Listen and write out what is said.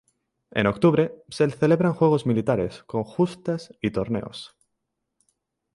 En octubre, se celebraban juegos militares, con justas y torneos.